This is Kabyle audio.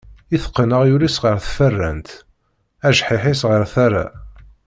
Iteqqen aɣyul-is ɣer tfeṛṛant, ajḥiḥ-is ɣer tara.